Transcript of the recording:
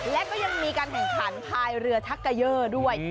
และก็ยังมีการแข่งขันภายเรือทักเกยอร์ด้วย